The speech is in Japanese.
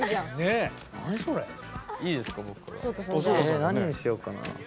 ええ何にしようかな。